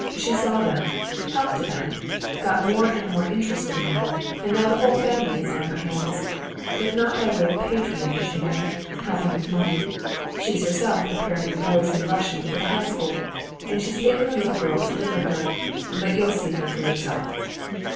She saw them, helped them, got more and more interested in them, and now the whole family is on her hands. But not by way of patronage, you know, helping with money; she's herself preparing the boys in Russian for the high school, and she's taken the little girl to live with her. But you'll see her for yourself."